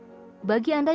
bagi anda yang mau mencoba